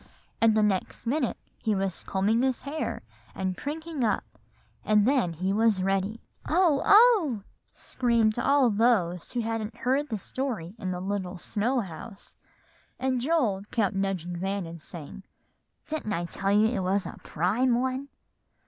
and the next minute he was combing his hair, and prinking up, and then he was ready." "Oh! oh!" screamed all those who hadn't heard the story in the little snow house; and Joel kept nudging Van and saying, "Didn't I tell you it was a prime one?"